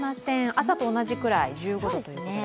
朝と同じくらい、１５度ということで。